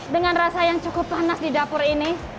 dengan rasa yang cukup panas di dapur ini